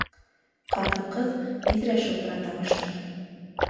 Китын ҡыҙ биҙрә шылтырата башланы